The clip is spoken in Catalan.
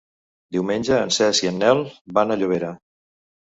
Diumenge en Cesc i en Nel van a Llobera.